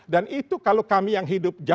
dan itu kalau kami yang hidup